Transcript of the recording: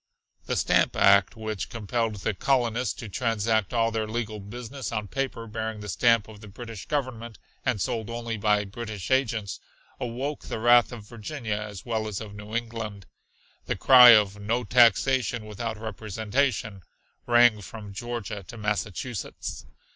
The "stamp act," which compelled the colonists to transact all their legal business on paper bearing the stamp of the British Government, and sold only by British agents, awoke the wrath of Virginia as well as of New England. The cry of "no taxation without representation" rang from Georgia to Massachusetts.